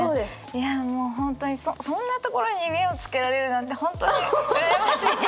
いやもう本当にそそんなところに目をつけられるなんて本当に羨ましい！